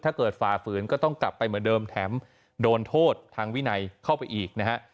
ฝ่าฝืนก็ต้องกลับไปเหมือนเดิมแถมโดนโทษทางวินัยเข้าไปอีกนะฮะ